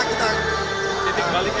ketik balik ya